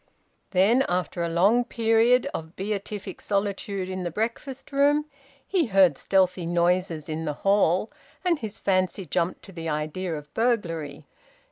Then, after a long period of beatific solitude in the breakfast room, he heard stealthy noises in the hall, and his fancy jumped to the idea of burglary.